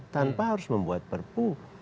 tanpa harus membuat perpu